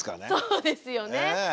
そうですよね。